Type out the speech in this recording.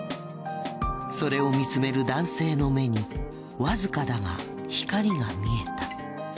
それを見つめる男性の目にわずかだが光が見えた。